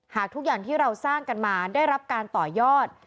หากทุกอย่างที่เราสร้างกันมาได้รับการต่อยอด